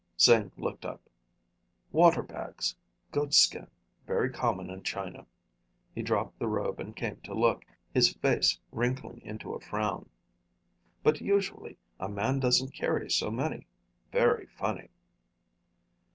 Sing looked up. "Water bags. Goatskin. Very common in China." He dropped the robe and came to look, his face wrinkling into a frown. "But usually a man doesn't carry so many. Very funny."